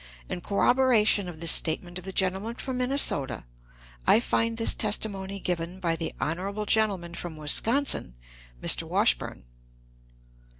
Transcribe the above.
In corroboration of this statement of the gentleman from Minnesota, I find this testimony given by the honorable gentleman from Wisconsin (Mr. Washburn).